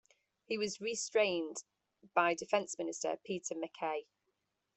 He was restrained by Defence Minister Peter MacKay.